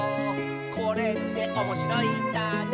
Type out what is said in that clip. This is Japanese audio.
「これっておもしろいんだね」